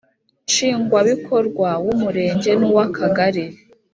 Nshingwabikorwa w Umurenge n uw Akagari